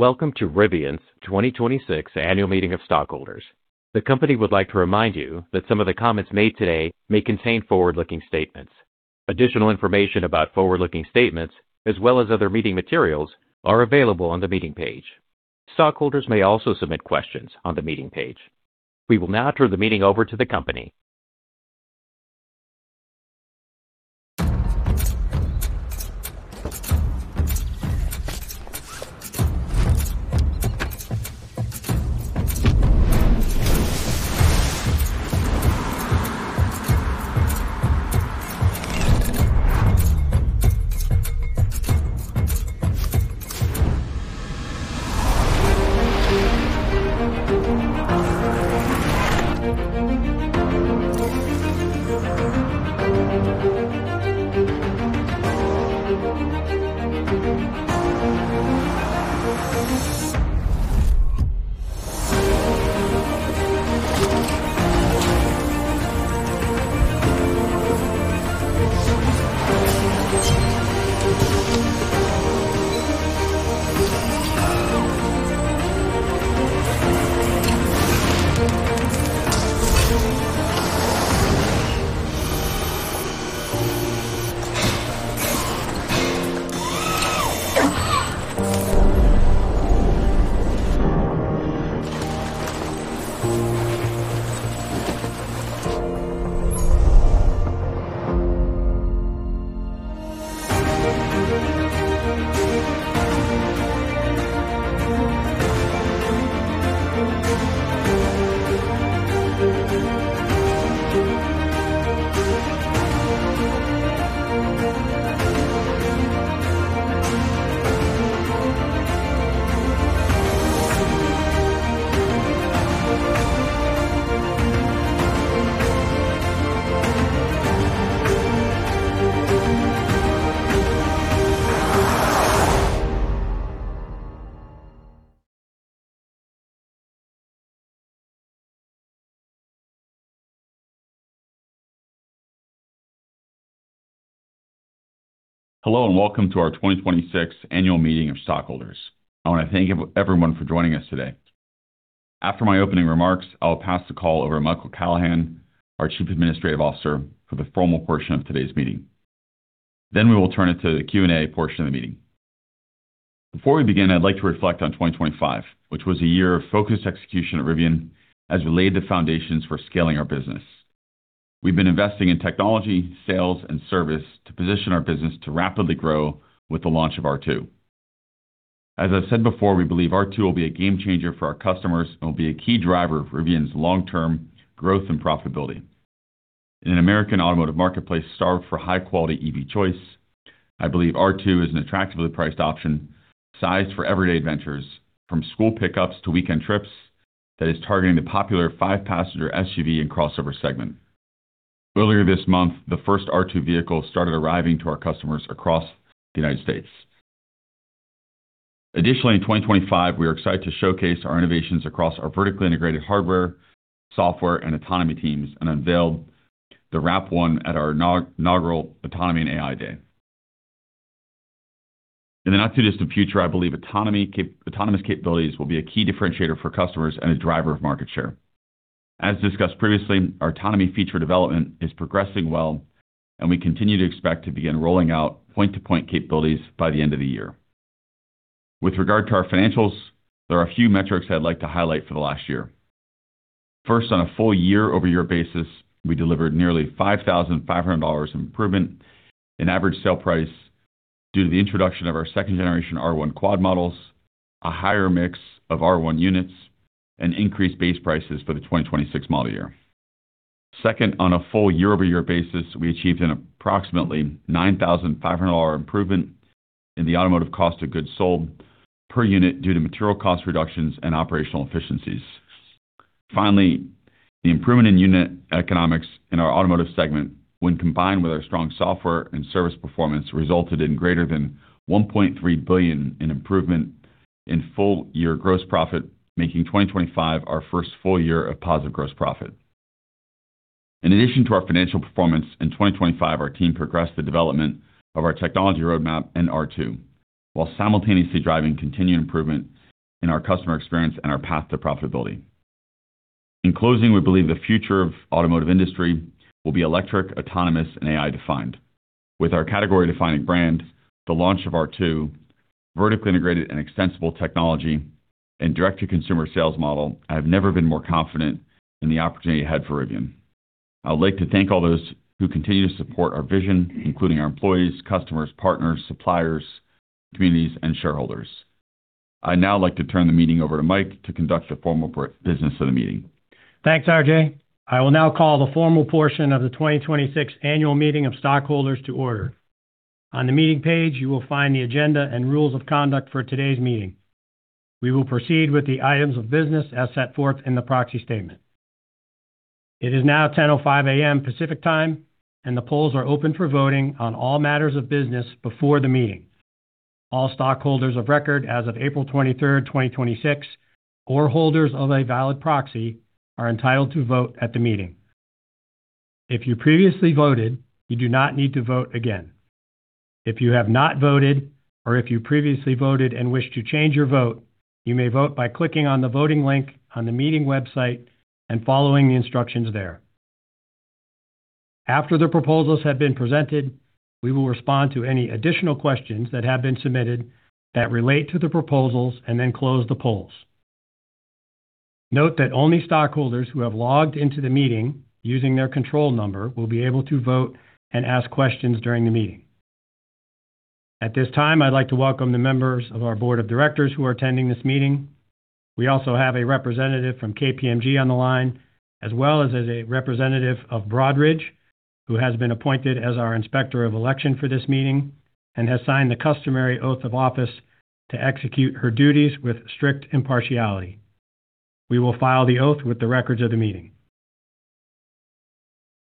Welcome to Rivian's 2026 Annual Meeting of Stockholders. The company would like to remind you that some of the comments made today may contain forward-looking statements. Additional information about forward-looking statements, as well as other meeting materials, are available on the meeting page. Stockholders may also submit questions on the meeting page. We will now turn the meeting over to the company. Hello, welcome to our 2026 annual meeting of stockholders. I want to thank everyone for joining us today. After my opening remarks, I'll pass the call over to Michael Callahan, our Chief Administrative Officer, for the formal portion of today's meeting. We will turn it to the Q&A portion of the meeting. Before we begin, I'd like to reflect on 2025, which was a year of focused execution at Rivian as we laid the foundations for scaling our business. We've been investing in technology, sales, and service to position our business to rapidly grow with the launch of R2. As I've said before, we believe R2 will be a game changer for our customers and will be a key driver of Rivian's long-term growth and profitability. In an American automotive marketplace starved for high-quality EV choice, I believe R2 is an attractively priced option, sized for everyday adventures, from school pickups to weekend trips, that is targeting the popular five-passenger SUV and crossover segment. Earlier this month, the first R2 vehicle started arriving to our customers across the United States. Additionally, in 2025, we are excited to showcase our innovations across our vertically integrated hardware, software, and autonomy teams, unveiled the RAP1 at our inaugural Autonomy and AI Day. In the not-too-distant future, I believe autonomous capabilities will be a key differentiator for customers and a driver of market share. As discussed previously, our autonomy feature development is progressing well, We continue to expect to begin rolling out point-to-point capabilities by the end of the year. With regard to our financials, there are a few metrics I'd like to highlight for the last year. First, on a full year-over-year basis, we delivered nearly $5,500 improvement in average sale price due to the introduction of our second generation R1 quad models, a higher mix of R1 units, and increased base prices for the 2026 model year. Second, on a full year-over-year basis, we achieved an approximately $9,500 improvement in the automotive cost of goods sold per unit due to material cost reductions and operational efficiencies. Finally, the improvement in unit economics in our automotive segment, when combined with our strong software and service performance, resulted in greater than $1.3 billion in improvement in full year gross profit, making 2025 our first full year of positive gross profit. In addition to our financial performance, in 2025, our team progressed the development of our technology roadmap and R2, while simultaneously driving continued improvement in our customer experience and our path to profitability. In closing, we believe the future of automotive industry will be electric, autonomous, and AI-defined. With our category-defining brand, the launch of R2, vertically integrated and extensible technology, and direct-to-consumer sales model, I have never been more confident in the opportunity ahead for Rivian. I would like to thank all those who continue to support our vision, including our employees, customers, partners, suppliers, communities, and shareholders. I'd now like to turn the meeting over to Mike to conduct the formal business of the meeting. Thanks, RJ. I will now call the formal portion of the 2026 annual meeting of stockholders to order. On the meeting page, you will find the agenda and rules of conduct for today's meeting. We will proceed with the items of business as set forth in the proxy statement. It is now 10:05 A.M. Pacific Time, and the polls are open for voting on all matters of business before the meeting. All stockholders of record as of April 23rd, 2026, or holders of a valid proxy, are entitled to vote at the meeting. If you previously voted, you do not need to vote again. If you have not voted, or if you previously voted and wish to change your vote, you may vote by clicking on the voting link on the meeting website and following the instructions there. After the proposals have been presented, we will respond to any additional questions that have been submitted that relate to the proposals and then close the polls. Note that only stockholders who have logged into the meeting using their control number will be able to vote and ask questions during the meeting. At this time, I'd like to welcome the members of our board of directors who are attending this meeting. We also have a representative from KPMG on the line, as well as a representative of Broadridge, who has been appointed as our inspector of election for this meeting and has signed the customary oath of office to execute her duties with strict impartiality. We will file the oath with the records of the meeting.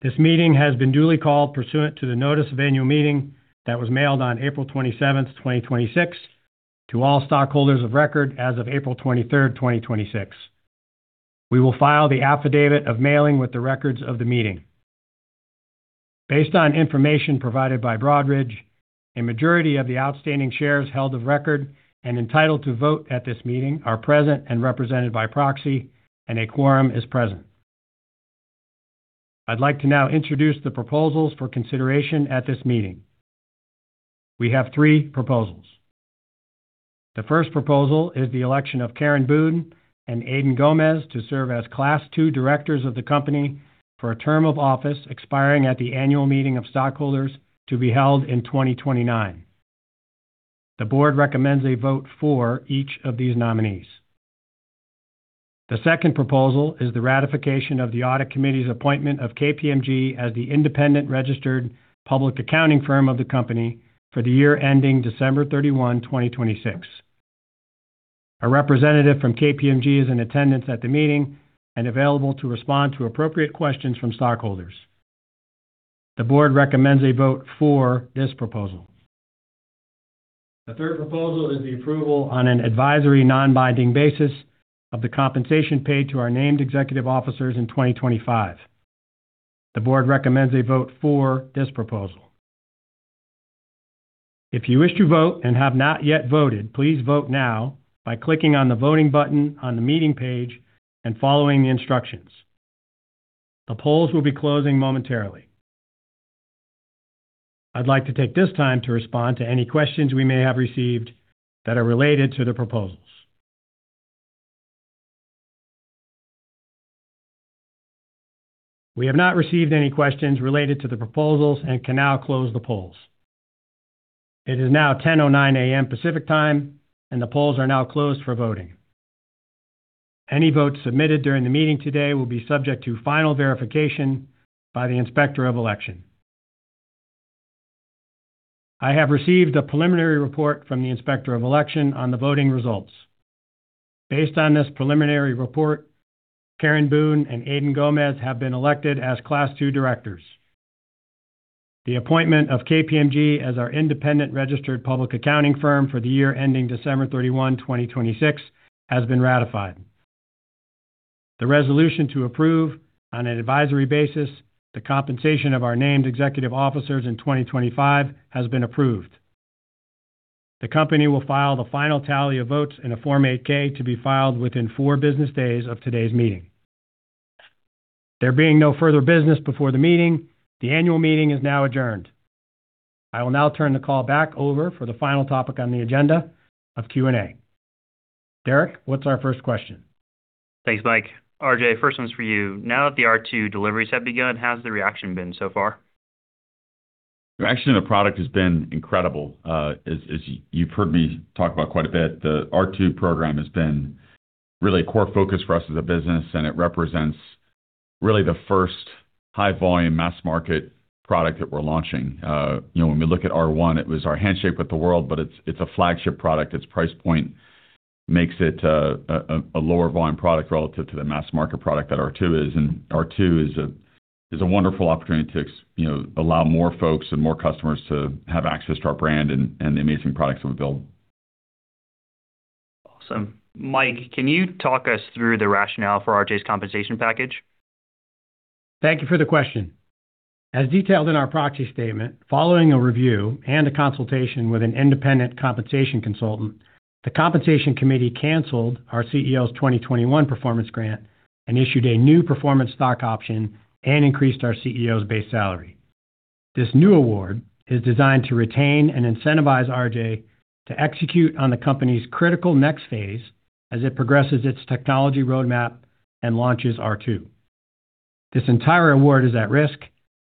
This meeting has been duly called pursuant to the notice of annual meeting that was mailed on April 27th, 2026, to all stockholders of record as of April 23rd, 2026. We will file the affidavit of mailing with the records of the meeting. Based on information provided by Broadridge, a majority of the outstanding shares held of record and entitled to vote at this meeting are present and represented by proxy, and a quorum is present. I'd like to now introduce the proposals for consideration at this meeting. We have three proposals. The first proposal is the election of Karen Boone and Aidan Gomez to serve as Class II directors of the company for a term of office expiring at the annual meeting of stockholders to be held in 2029. The board recommends a vote for each of these nominees. The second proposal is the ratification of the audit committee's appointment of KPMG as the independent registered public accounting firm of the company for the year ending December 31, 2026. A representative from KPMG is in attendance at the meeting and available to respond to appropriate questions from stockholders. The board recommends a vote for this proposal. The third proposal is the approval on an advisory non-binding basis of the compensation paid to our named executive officers in 2025. The board recommends a vote for this proposal. If you wish to vote and have not yet voted, please vote now by clicking on the voting button on the meeting page and following the instructions. The polls will be closing momentarily. I'd like to take this time to respond to any questions we may have received that are related to the proposals. We have not received any questions related to the proposals and can now close the polls. It is now 10:09 A.M. Pacific Time, and the polls are now closed for voting. Any votes submitted during the meeting today will be subject to final verification by the inspector of election. I have received a preliminary report from the inspector of election on the voting results. Based on this preliminary report, Karen Boone and Aidan Gomez have been elected as Class II directors. The appointment of KPMG as our independent registered public accounting firm for the year ending December 31, 2026, has been ratified. The resolution to approve, on an advisory basis, the compensation of our named executive officers in 2025 has been approved. The company will file the final tally of votes in a Form 8-K to be filed within four business days of today's meeting. There being no further business before the meeting, the annual meeting is now adjourned. I will now turn the call back over for the final topic on the agenda of Q&A. Derek, what's our first question? Thanks, Mike. RJ, first one's for you. Now that the R2 deliveries have begun, how's the reaction been so far? The reaction to the product has been incredible. As you've heard me talk about quite a bit, the R2 program has been really a core focus for us as a business, and it represents really the first high-volume mass-market product that we're launching. When we look at R1, it was our handshake with the world, but it's a flagship product. Its price point makes it a lower volume product relative to the mass market product that R2 is. R2 is a wonderful opportunity to allow more folks and more customers to have access to our brand and the amazing products that we build. Awesome. Mike, can you talk us through the rationale for RJ's compensation package? Thank you for the question. As detailed in our proxy statement, following a review and a consultation with an independent compensation consultant, the compensation committee canceled our CEO's 2021 performance grant and issued a new performance stock option and increased our CEO's base salary. This new award is designed to retain and incentivize RJ to execute on the company's critical next phase as it progresses its technology roadmap and launches R2. This entire award is at risk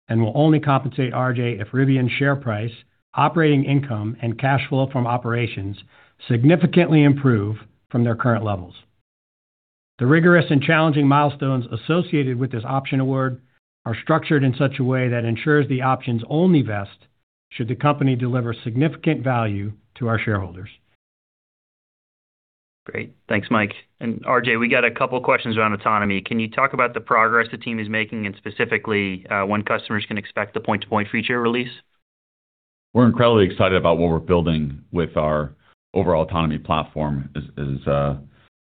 and will only compensate RJ if Rivian's share price, operating income, and cash flow from operations significantly improve from their current levels. The rigorous and challenging milestones associated with this option award are structured in such a way that ensures the options only vest should the company deliver significant value to our shareholders. Great. Thanks, Mike. RJ, we got a couple questions around autonomy. Can you talk about the progress the team is making and specifically when customers can expect the point-to-point feature release? We're incredibly excited about what we're building with our overall autonomy platform. As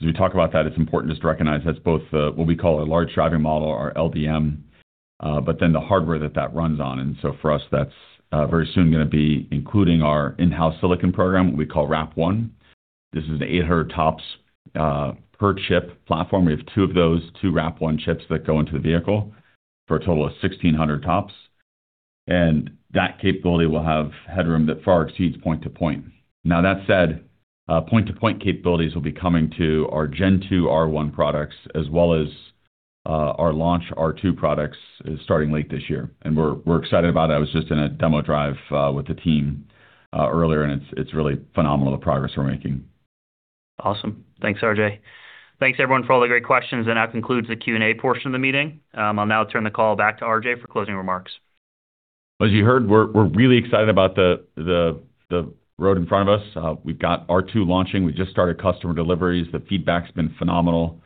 we talk about that, it's important just to recognize that's both what we call a large driving model, or LDM, but then the hardware that that runs on. For us, that's very soon going to be including our in-house silicon program, what we call RAP1. This is an 800 TOPS per chip platform. We have two of those two RAP1 chips that go into the vehicle for a total of 1,600 TOPS. That capability will have headroom that far exceeds point to point. Now, that said, point-to-point capabilities will be coming to our Gen 2 R1 products, as well as our launch R2 products starting late this year. We're excited about that. I was just in a demo drive with the team earlier, and it's really phenomenal, the progress we're making. Awesome. Thanks, RJ. Thanks, everyone, for all the great questions. That now concludes the Q&A portion of the meeting. I'll now turn the call back to RJ for closing remarks. As you heard, we're really excited about the road in front of us. We've got R2 launching. We just started customer deliveries. The feedback's been phenomenal.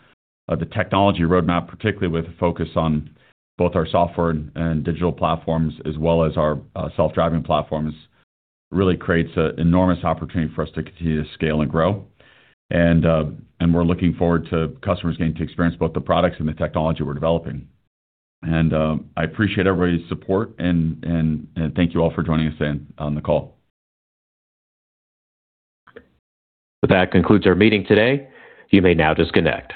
The technology roadmap, particularly with a focus on both our software and digital platforms, as well as our self-driving platforms, really creates an enormous opportunity for us to continue to scale and grow. We're looking forward to customers getting to experience both the products and the technology we're developing. I appreciate everybody's support, and thank you all for joining us in on the call. That concludes our meeting today. You may now disconnect